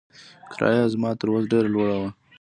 کرايه يې زما تر وس ډېره لوړه وه.